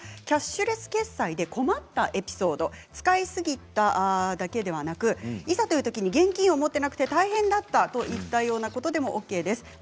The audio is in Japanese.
キャッシュレス決済で困ったエピソード使いすぎただけではなくいざというときに現金を持っていなくて大変だったといったようなことでもＯＫです。